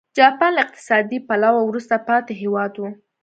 جاپان له اقتصادي پلوه وروسته پاتې هېواد و.